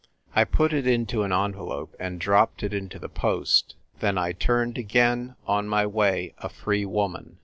I put it into an envelope and dropped it into the post ; then I turned again on my way, a Free Woman.